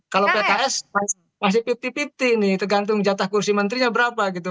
kalau pks masih lima puluh lima puluh nih tergantung jatah kursi menterinya berapa gitu